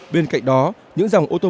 bên cạnh đó những dòng ô tô